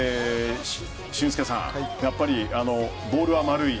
俊輔さん、やっぱりボールは丸い。